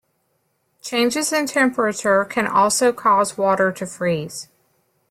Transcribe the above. Changes in temperature can also cause water to freeze.